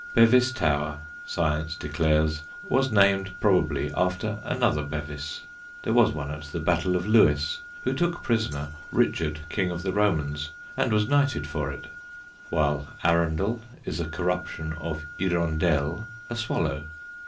Bevis Tower, science declares, was named probably after another Bevis there was one at the Battle of Lewes, who took prisoner Richard, King of the Romans, and was knighted for it while Arundel is a corruption of "hirondelle," a swallow.